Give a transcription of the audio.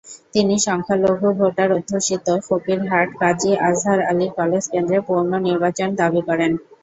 তিনি সংখ্যালঘু ভোটার-অধ্যুষিত ফকিরহাট কাজী আজহার আলী কলেজ কেন্দ্রে পুনর্নির্বাচন দাবি করেন।